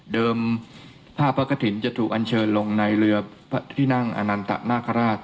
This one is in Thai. ภาพพระกฐินจะถูกอันเชิญลงในเรือพระที่นั่งอนันตนาคาราช